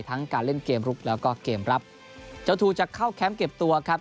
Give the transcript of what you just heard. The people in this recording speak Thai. การเล่นเกมลุกแล้วก็เกมรับเจ้าทูจะเข้าแคมป์เก็บตัวครับ